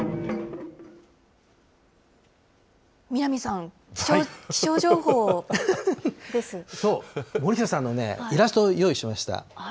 南さん、そう、森下さんのイラストを用意しました。